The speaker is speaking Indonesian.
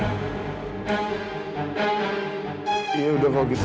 ya udah kalau gitu